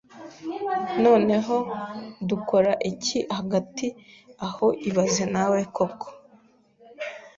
Noneho, dukora iki hagati aho ibaze nawe koko